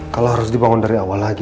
kalau harus dibangun dari awal lagi